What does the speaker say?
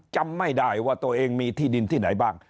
จำไม่ได้ว่าตัวเองมีที่ดินที่ไหนบ้าง